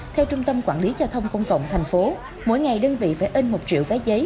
theo trung tâm quản lý giao thông công cộng tp hcm mỗi ngày đơn vị phải in một triệu vé giấy